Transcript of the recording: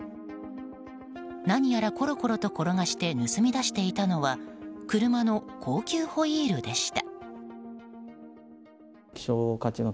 何やらコロコロと転がして盗み出していたのは車の高級ホイールでした。